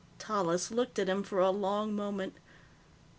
Tallis looked at him for a long moment.